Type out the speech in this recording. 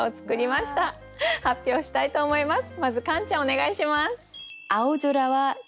まずカンちゃんお願いします。